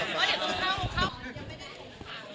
ขอบคุณครับ